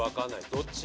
どっち？